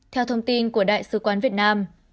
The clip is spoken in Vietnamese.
theo thông tin của đại sứ quán việt nam